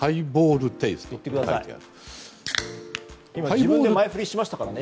自分で前振りしましたからね。